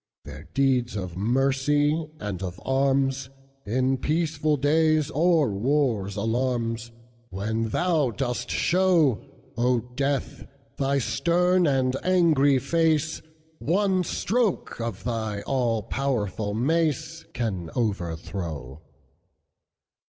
Their deeds of mercy and of arms, In peaceful days, or war's alarms, When thou dost show,O Death, thy stern and angry face, One stroke of thy all powerful maceCan overthrow.